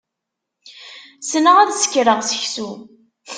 Ssneɣ ad sekreɣ seksu.